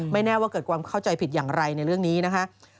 แน่ว่าเกิดความเข้าใจผิดอย่างไรในเรื่องนี้นะคะ